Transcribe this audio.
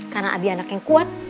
karena abi anak yang kuat